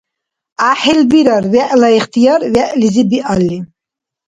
ГӀяхӀил бирар вегӀла ихтияр вегӀлизиб биалли.